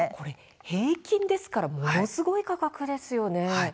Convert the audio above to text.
平均ですからものすごい価格ですよね。